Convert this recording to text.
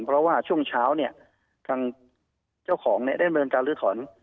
เพราะว่าช่วงเช้าทางเจ้าของได้บริเวณการลื้อถอน